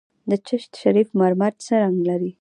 د چشت شریف مرمر څه رنګ لري؟